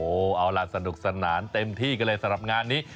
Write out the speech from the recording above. เอาล่ะสนุกสนานเต็มที่กันเลยสำหรับงานนี้